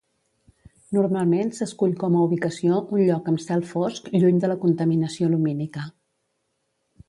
Normalment s'escull com a ubicació un lloc amb cel fosc lluny de la contaminació lumínica.